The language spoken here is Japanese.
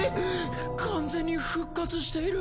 完全に復活している。